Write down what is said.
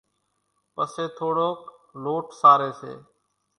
پسي ٿوڙوڪ لوٽ ساري سي،